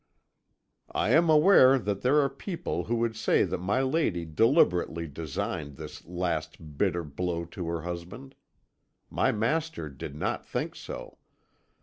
"I am aware that there are people who would say that my lady deliberately designed this last bitter blow to her husband. My master did not think so.